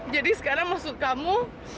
jadi sekarang maksud kamu